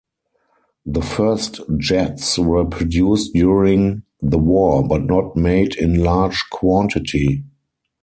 The first jets were produced during the war but not made in large quantity.